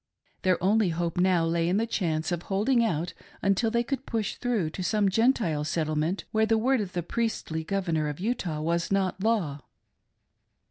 Their only hope now lay in the chance of holding out until they could push through to some Gentile settlement where the word of the priestly Governor of Utah was not law.